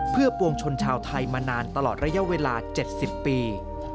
เพื่อปวงชนชาวไทยมานานตลอดระยะเวลา๗๐ปี